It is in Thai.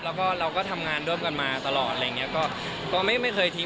แล้วก็เรามันทำงานด้วยกันมาตลอดอะไรอย่างนี้